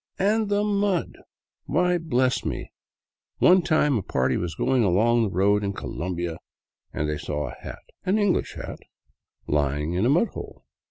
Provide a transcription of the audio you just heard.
" And the mud ! Why, bless me, one time a party was going along the road in Colombia and they saw a hat, an English hat, lying in a mudhole.